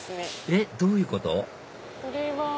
えっどういうこと？